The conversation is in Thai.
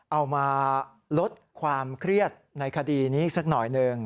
เอามาลดความเครียดในคดีนี้อีกสักหน่อยหนึ่ง